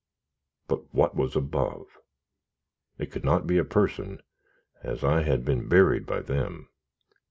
But what was above? It could not be a person, as I had been buried by them.